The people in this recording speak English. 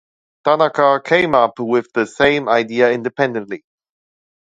Tanaka came up with the same idea independently.